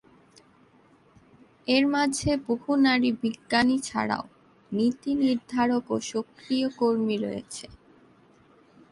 এর মাঝে বহু নারী বিজ্ঞানী ছাড়াও নীতি-নির্ধারক ও সক্রিয় কর্মী রয়েছে।